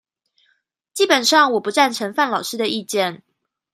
基本上我不贊成范老師的意見